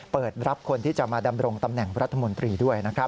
เปิดรับคนที่จะมาดำรงตำแหน่งรัฐมนตรีด้วยนะครับ